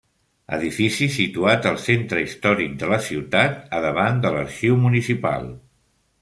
Edifici situat al centre històric de la ciutat, a davant de l'arxiu municipal.